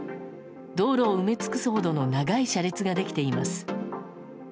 道路を埋め尽くすほどの長い車列ができています。